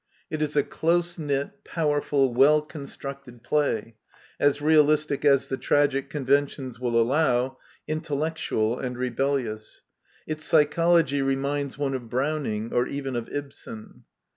It is a close knit, powerful, well constructed play, as realistic as the tragic con ventions will allow, intellectual and rebellious. Its psychology reminds one of Browning, or even of Ibsen.